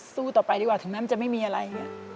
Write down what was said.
สู้ต่อไปดีกว่าถึงแม้มันจะไม่มีอะไร